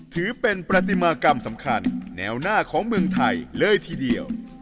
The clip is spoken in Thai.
ถือเป็นประติมากรรมสำคัญแนวหน้าของเมืองไทยเลยทีเดียว